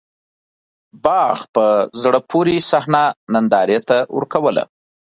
باغ په زړه پورې صحنه نندارې ته ورکوّله.